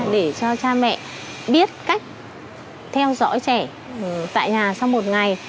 để cho cha mẹ biết cách theo dõi trẻ tại nhà sau một ngày